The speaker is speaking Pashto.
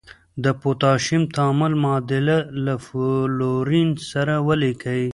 د پوتاشیم تعامل معادله له فلورین سره ولیکئ.